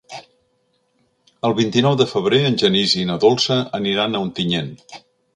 El vint-i-nou de febrer en Genís i na Dolça aniran a Ontinyent.